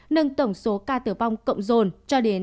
nâng tổng số ca tử vong cộng rồn cho đến